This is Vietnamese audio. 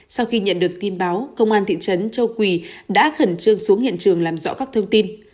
sau khi nhận được tin báo công an thị trấn châu quỳ đã khẩn trương xuống hiện trường làm rõ các thông tin